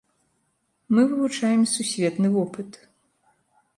Мы вывучаем сусветны вопыт.